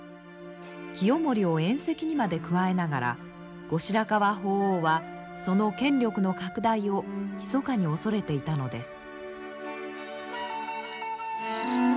清盛を縁戚にまで加えながら後白河法皇はその権力の拡大をひそかに恐れていたのです。